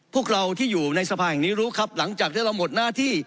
พวกเราที่อยู่ในสภาแห่งนี้รู้ครับหลังจากที่เราหมดหน้าที่